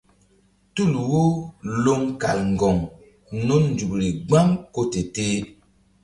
Tul wo loŋ kal ŋgoŋ nun nzukri gbam ko te-teh.